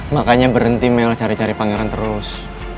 makanya berhenti mel cari cari pangeran terus